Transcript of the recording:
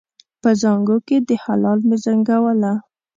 په زانګو کې د هلال مې زنګوله